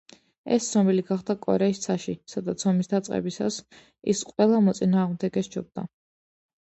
ის ცნობილი გახდა კორეის ცაში, სადაც ომის დაწყებისას ის ყველა მოწინააღმდეგეს ჯობდა.